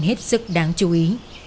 hết sức đáng chú ý